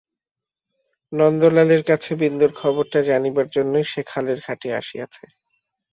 নন্দলালের কাছে বিন্দুর খবরটা জানিবার জন্যই সে খালের ঘাটে আসিয়াছে।